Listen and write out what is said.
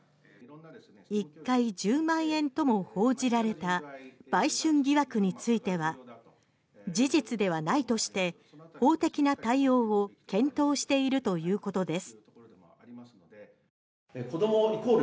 １回１０万円とも報じられた買春疑惑について事実ではないとして法的な対応を検討しているということです。